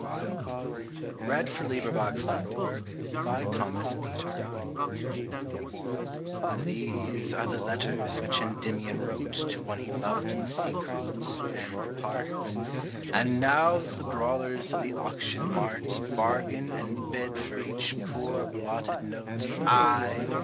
ON THE SALE BY AUCTION OF KEATS' LOVE LETTERS THESE are the letters which Endymion wrote To one he loved in secret, and apart. And now the brawlers of the auction mart Bargain and bid for each poor blotted note, Ay!